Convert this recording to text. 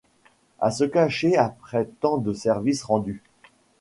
à se cacher après tant de services rendus